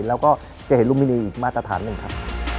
แล้วก็จะเห็นลุมินีอีกมาตรฐานหนึ่งครับ